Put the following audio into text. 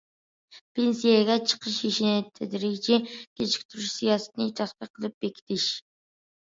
پېنسىيەگە چىقىش يېشىنى تەدرىجىي كېچىكتۈرۈش سىياسىتىنى تەتقىق قىلىپ بېكىتىش.